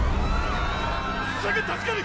すぐ助ける！！